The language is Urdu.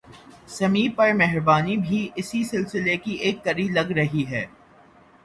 سمیع پر مہربانی بھی اسی سلسلے کی ایک کڑی لگ رہی ہے